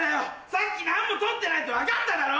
さっき何も取ってないって分かっただろ！